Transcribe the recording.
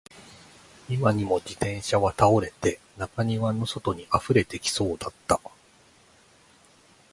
今にも自転車は倒れて、中庭の外に溢れてきそうだった